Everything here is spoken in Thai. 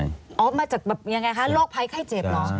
องค์มาจากอย่างไรคะโรคไพรไข้เจ็บหรอ